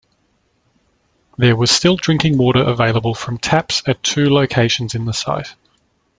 There was still drinking water available from taps at two locations in the site.